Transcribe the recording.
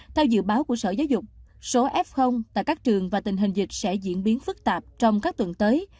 theo dự báo của sở giáo dục số f tại các trường và tình hình dịch sẽ diễn biến phức tạp trong các tuần tới